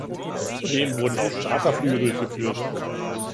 Zudem wurden auch Charterflüge durchgeführt.